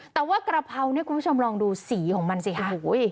แต่ว่ากระเพราเนี่ยคุณผู้ชมลองดูสีของมันสิค่ะ